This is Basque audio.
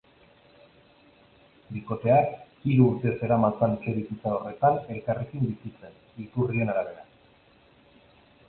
Bikoteak hiru urte zeramatzan etxebizitza horretan elkarrekin bizitzen, iturrien arabera.